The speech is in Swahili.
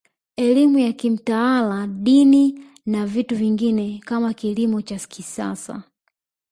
Elimu ya kimtaala Dini na vitu vingine kama kilimo cha kisasa